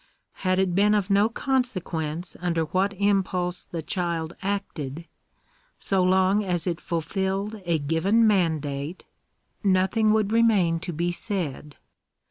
Had it been of no conse quence under what impulse the child acted, so long as it ful* filled a given mandate, nothing would remain to be said.